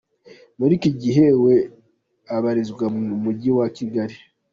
Muri iki gihe we abarizwa mu Mujyi wa Kigali.